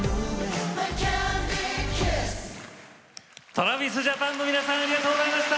ＴｒａｖｉｓＪａｐａｎの皆さんありがとうございました。